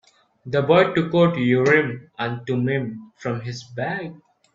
The boy took out Urim and Thummim from his bag.